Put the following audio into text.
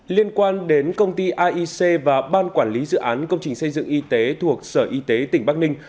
liên quan đến công ty aic và ban quản lý dự án công trình xây dựng y tế thuộc sở y tế tỉnh bắc ninh